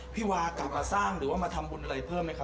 พี่วากลับมาสร้างหรือว่ามาทำบุญอะไรเพิ่มไหมครับ